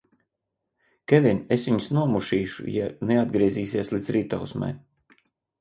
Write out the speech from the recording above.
Kevin, es viņus nomušīšu, ja neatgriezīsies līdz rītausmai!